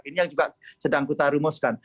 ini yang juga sedang kita rumuskan